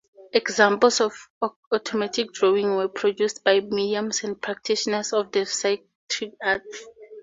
Examples of automatic drawing were produced by mediums and practitioners of the psychic arts.